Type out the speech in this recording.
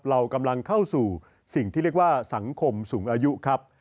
เรากำลังเข้าสู่สิ่งที่เรียกว่าสังคมสูงอายุครับ